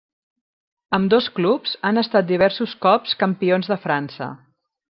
Ambdós clubs han estat diversos cops campions de França.